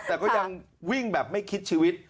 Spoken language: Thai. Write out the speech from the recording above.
แต่ก็ยังวิ่งแบบไม่คิดชีวิต